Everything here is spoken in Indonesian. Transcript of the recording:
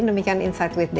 demikian insight with desi